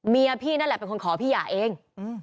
พี่นั่นแหละเป็นคนขอพี่หย่าเอง